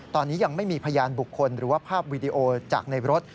ตอนนี้ยังไม่มีพยานบุคคลหรือว่าภาพวีดีโอจากในรถ